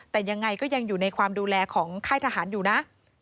แต่ยังไงก็ยังอยู่ในความดูแลของค่ายทหารอยู่นะ